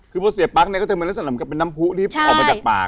คือพอเสียปั๊กเนี่ยก็จะมีลักษณะเหมือนกับเป็นน้ำผู้ที่ออกมาจากปาก